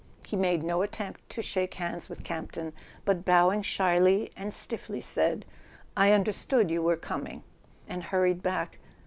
He made no attempt to shake hands with Campton, but bowing shyly and stiffly said: "I understood you were coming, and hurried back